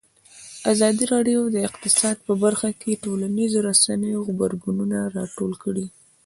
ازادي راډیو د اقتصاد په اړه د ټولنیزو رسنیو غبرګونونه راټول کړي.